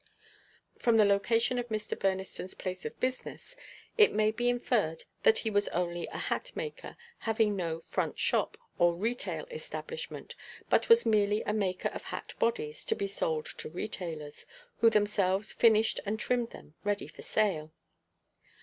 From the location of Mr. Burneston's place of business it may be inferred that he was only a hat maker, having no "front shop" or retail establishment, but was merely a maker of hat bodies to be sold to retailers, who themselves finished and trimmed them ready for sale.